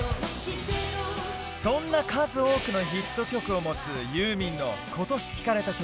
そんな数多くのヒット曲を持つユーミンの今年聴かれた曲